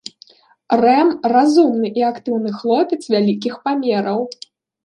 Рэм разумны і актыўны хлопец вялікіх памераў.